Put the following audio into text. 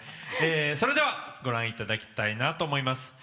それではご覧いただきたいなと思います。